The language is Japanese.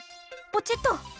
ポチッと。